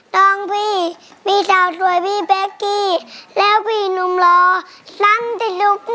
น้องพี่พี่สาวสวยพี่แบคกี้แล้วพี่หนุ่มหล่อสั้นที่ทุกข์ไหน